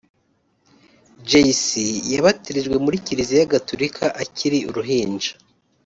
Jay-C yabatirijwe muri Kiliziya Gatulika akiri uruhinja